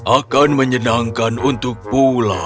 akan menyenangkan untuk pulang